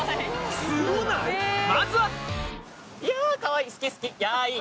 まずは！